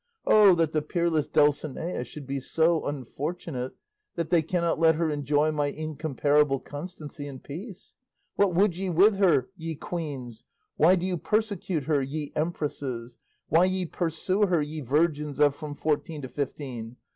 O that the peerless Dulcinea should be so unfortunate that they cannot let her enjoy my incomparable constancy in peace! What would ye with her, ye queens? Why do ye persecute her, ye empresses? Why ye pursue her, ye virgins of from fourteen to fifteen?